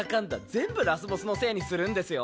全部ラスボスのせいにするんですよ？